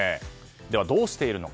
では、どうしているのか。